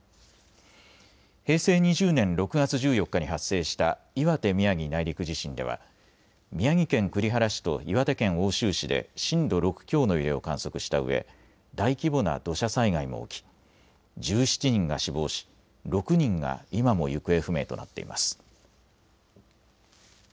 平成２０年６月１４日に発生した岩手・宮城内陸地震では宮城県栗原市と岩手県奥州市で震度６強の揺れを観測したうえ大規模な土砂災害も起き１７人が死亡し６人が今も行方不明となっています。